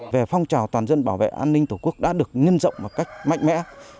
về phong trào toàn dân bảo vệ an ninh tổ quốc đã được nhân rộng một cách mạnh mẽ